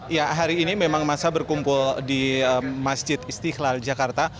ya hari ini memang masa berkumpul di masjid istiqlal jakarta